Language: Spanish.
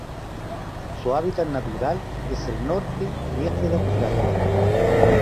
Su hábitat natural es el norte y este de Australia.